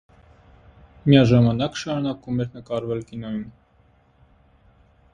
Միաժամանակ շարունակում էր նկարահանվել կինոյում։